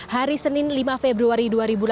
hari senin lima februari dua ribu delapan belas